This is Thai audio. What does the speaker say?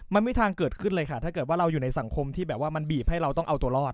ไม่มีทางเกิดขึ้นเลยค่ะถ้าเกิดว่าเราอยู่ในสังคมที่แบบว่ามันบีบให้เราต้องเอาตัวรอด